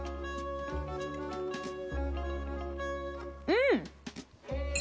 うん！